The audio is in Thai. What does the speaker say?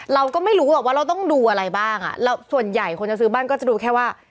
เราก็ไม่รู้หรอกว่าเราต้องดูอะไรบ้างอ่ะเราส่วนใหญ่คนจะซื้อบ้านก็จะดูแค่ว่า